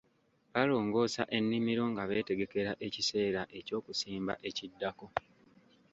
Balongoosa ennimiro nga beetegekera ekiseera eky'okusimba ekiddako.